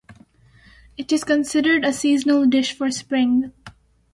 It is considered a seasonal dish for spring.